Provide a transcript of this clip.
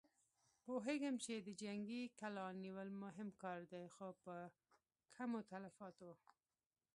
پوهېږم چې د جنګي کلا نيول مهم کار دی، خو په کمو تلفاتو.